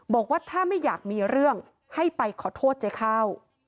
บอกว่าถ้าไม่อยากมีเรื่องให้ไปขอโทษเจ๊ข้าว